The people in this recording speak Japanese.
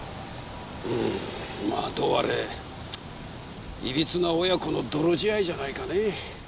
うんまあどうあれいびつな親子の泥仕合じゃないかね。